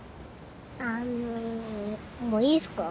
あのもういいっすか？